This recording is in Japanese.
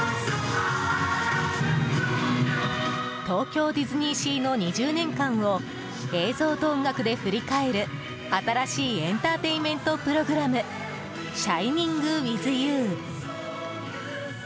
東京ディズニーシーの２０年間を映像と音楽で振り返る新しいエンターテインメントプログラムシャイニング・ウィズ・ユー。